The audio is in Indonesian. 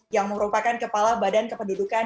yang merupakan kepala badan kependudukan